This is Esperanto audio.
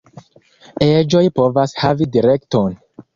Eĝoj povas havi direkton.